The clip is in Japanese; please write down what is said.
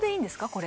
これ。